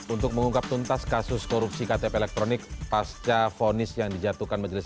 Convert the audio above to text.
untuk mengungkap tuntas kasus korupsi ktp elektronik pasca fonis yang dijatuhkan majelis